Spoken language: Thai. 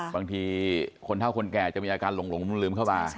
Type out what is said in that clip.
บางทีคนเท่าคนแก่จะมีอาการหลงลืมเข้ามา